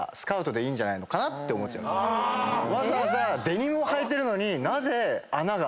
わざわざデニムをはいてるのに。